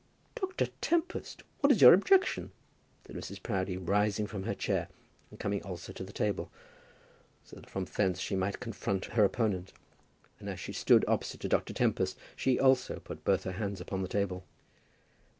"Dr. Tempest, what is your objection?" said Mrs. Proudie, rising from her chair, and coming also to the table, so that from thence she might confront her opponent; and as she stood opposite to Dr. Tempest she also put both her hands upon the table.